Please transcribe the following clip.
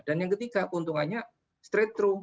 dan yang ketiga keuntungannya straight through